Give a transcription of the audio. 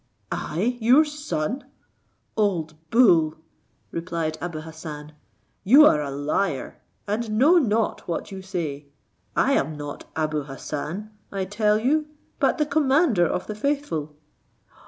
"I your son! old bull!" replied Abou Hassan; "you are a liar, and know not what you say! I am not Abou Hassan, I tell you, but the commander of the faithful!"